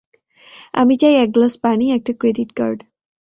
আমি চাই এক গ্লাস পানি, একটা ক্রেডিট কার্ড।